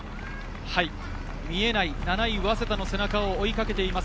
見えない７位・早稲田の背中を追いかけています。